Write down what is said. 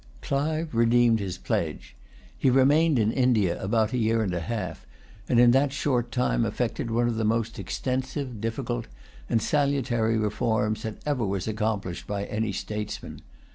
Clive redeemed his pledge. He remained in India about a year and a half; and in that short time effected one of the most extensive, difficult, and salutary reforms that ever was accomplished by any statesman.